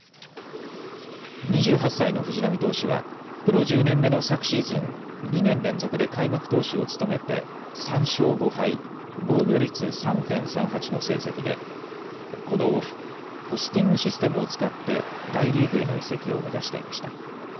２８歳の藤浪投手はプロ１０年目の昨シーズン、２年連続で開幕投手を務めて３勝５敗、防御率３．３８の成績でこのオフ、ポスティングシステムを使って大リーグへの移籍を目指していました。